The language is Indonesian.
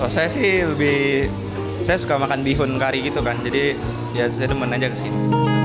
saya sih lebih saya suka makan bihun kari gitu kan jadi ya saya nemen aja kesini